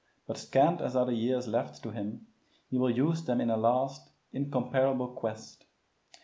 But scant as are the years left to him, he will use them in a last, incomparable quest.